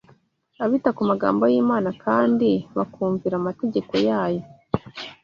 Abita ku magambo y’Imana kandi bakumvira amategeko yayo